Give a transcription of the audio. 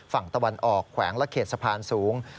ฝั่งตะวันออกแขวงและเขตสะพานสูง